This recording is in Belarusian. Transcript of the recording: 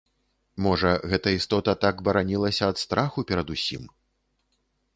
Можа, гэта істота так баранілася ад страху перад усім.